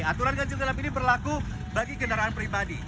aturan ganjil genap ini berlaku bagi kendaraan pribadi